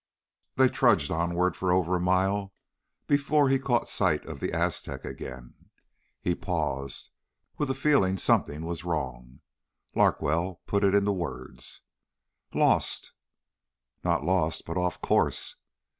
They trudged onward for over a mile before he caught sight of the Aztec again. He paused, with the feeling something was wrong. Larkwell put it into words. "Lost." "Not lost, but off course."